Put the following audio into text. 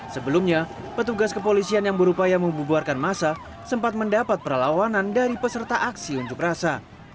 sebelumnya petugas kepolisian yang berupaya membubarkan masa sempat mendapat perlawanan dari peserta aksi unjuk rasa